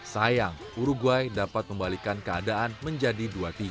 sayang uruguay dapat membalikan keadaan menjadi dua tiga